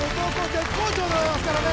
絶好調でございますからね